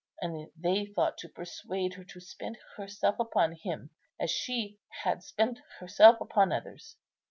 And they thought to persuade her to spend herself upon him, as she had spent herself upon others.